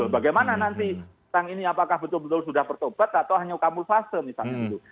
bagaimana nanti tang ini apakah betul betul sudah bertobat atau hanya kamuflase misalnya gitu